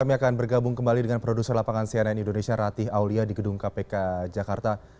kami akan bergabung kembali dengan produser lapangan cnn indonesia ratih aulia di gedung kpk jakarta